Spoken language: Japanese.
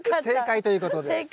正解ということで。